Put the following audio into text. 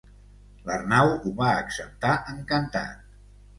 L'Arnau ho va acceptar encantat.